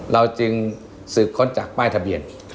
เราจึงสืบค้นจากป้ายทะเบียน